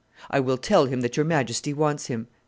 "I will tell him that your Majesty wants him."